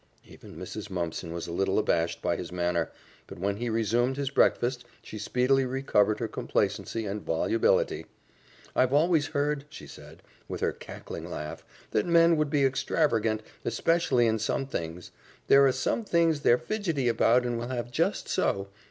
Even Mrs. Mumpson was a little abashed by his manner, but when he resumed his breakfast she speedily recovered her complacency and volubility. "I've always heard," she said, with her little cackling laugh, "that men would be extravergant, especially in some things. There are some things they're fidgety about and will have just so.